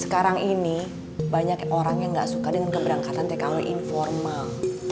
sekarang ini banyak orang yang gak suka dengan keberangkatan tkw informal